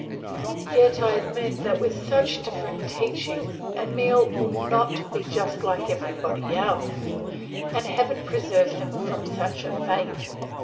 Yet I admit that with such different teaching Emile will not be just like everybody else, and heaven preserve him from such a fate!